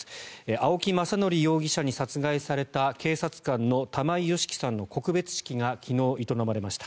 青木政憲容疑者に殺害された警察官の玉井良樹さんの告別式が昨日、営まれました。